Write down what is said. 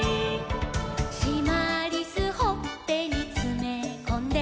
「しまりすほっぺにつめこんで」